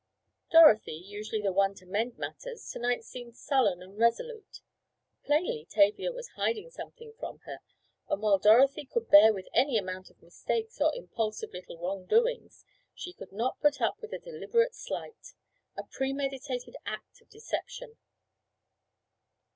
Dorothy, usually the one to mend matters, to night seemed sullen and resolute. Plainly Tavia was hiding something from her, and while Dorothy could bear with any amount of mistakes or impulsive little wrongdoings, she could not put up with a deliberate slight—a premeditated act of deception.